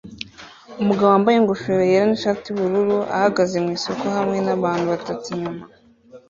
Umugabo wambaye ingofero yera nishati yubururu ahagaze mwisoko hamwe nabantu batatu inyuma